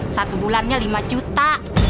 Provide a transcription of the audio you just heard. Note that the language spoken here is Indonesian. satu bulannya lima juta